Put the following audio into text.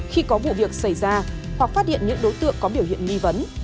khi có vụ việc xảy ra hoặc phát hiện những đối tượng có biểu hiện nghi vấn